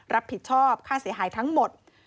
รับผิดชอบค่าเสียหายทั้งหมด